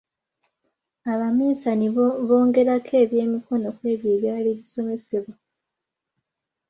Abaminsani bongerako ebyemikono ku ebyo ebyali bisomesebwa.